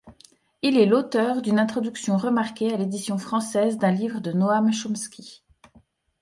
Il est l’auteur d’une introduction remarquée à l’édition française d’un livre de Noam Chomsky.